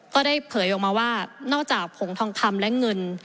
ก็ได้เผยออกมาว่านอกจากผงทองคำและเงิน